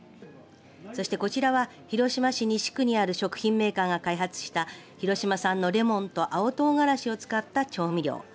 そして、こちらは広島市西区にある食品メーカーが開発した広島産のレモンと青唐辛子を使った調味料。